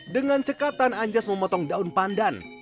dengan cekatan anjas memotong daun pandan